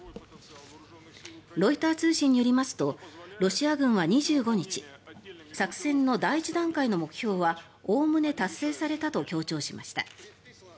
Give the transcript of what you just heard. ロイター通信によりますとロシア軍は２５日作戦の第１段階の目標はおおむね達成されたと強調しました。